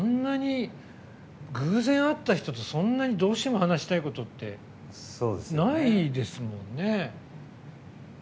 でも、偶然会った人とそんなにどうしても話したいことないですもんね。